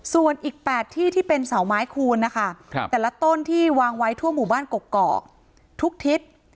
ส่วนอีก๘ที่ที่เป็นเสาไม้คูณนะคะแต่ละต้นที่วางไว้ทั่วหมู่บ้านกกอกทุกทิศ